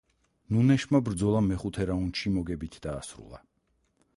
ნუნეშმა ბრძოლა მეხუთე რაუნდში მოგებით დაასრულა.